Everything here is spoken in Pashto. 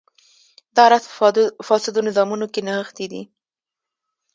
دا راز په فاسدو نظامونو کې نغښتی دی.